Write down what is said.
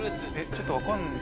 ちょっとわからない。